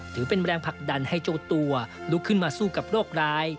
ถือเป็นแรงผลักดันให้เจ้าตัวลุกขึ้นมาสู้กับโรคร้าย